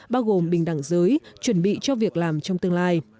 bao gồm bình đẳng giới chuẩn bị cho việc làm trong tương lai